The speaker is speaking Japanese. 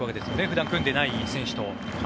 普段組んでいない選手と。